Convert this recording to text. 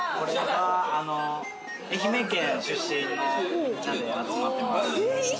愛媛県出身のみんなで集まってます。